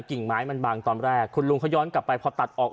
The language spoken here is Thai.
กิ่งไม้มันบังตอนแรกคุณลุงเขาย้อนกลับไปพอตัดออก